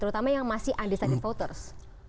terutama yang masih undecided voters